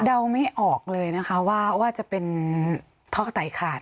เดาไม่ออกเลยนะคะว่าจะเป็นท่อกระไตขาด